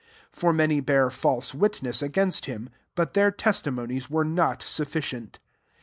56 For many bare false witness against him, but their testimo nies were not sufficient.